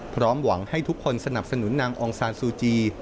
พร้อมหวังให้ทุกคนสนับสนุนนางองซานซูจี